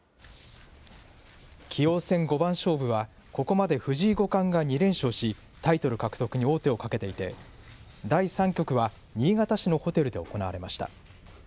棋王戦五番勝負は、ここまで藤井五冠が２連勝し、タイトル獲得に王手をかけていて、第３局は新潟市のホテルで行われました。